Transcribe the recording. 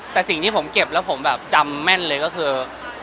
แต่สิ่งที่ผมเก็บแล้วผมแบบจำแม่นเลยก็คือ